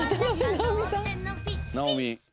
直美。